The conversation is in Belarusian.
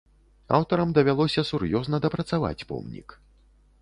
Аўтарам давялося сур'ёзна дапрацаваць помнік.